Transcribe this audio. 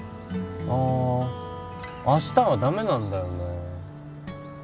あ明日はダメなんだよね